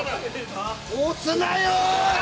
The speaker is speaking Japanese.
押すなよ！